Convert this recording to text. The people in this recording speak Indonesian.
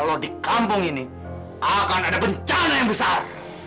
kalau di kampung ini akan ada bencana yang besar